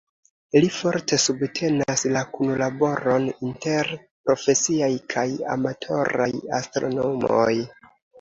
Li forte subtenas la kunlaboron inter profesiaj kaj amatoraj astronomoj.